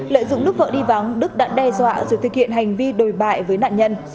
lợi dụng lúc vợ đi vắng đức đã đe dọa rồi thực hiện hành vi đồi bại với nạn nhân